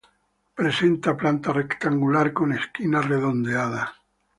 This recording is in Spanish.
Presenta planta rectangular, con esquinas redondeadas.